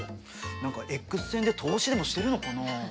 何かＸ線で透視でもしてるのかな？